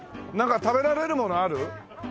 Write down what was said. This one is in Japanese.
なんか食べられるものある？